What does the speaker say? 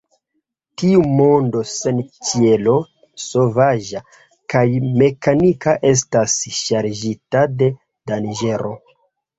Tiu mondo sen ĉielo, sovaĝa kaj mekanika, estas ŝarĝita de danĝero.